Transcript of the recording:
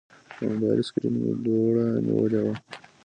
د موبایل سکرین مې دوړه نیولې وه.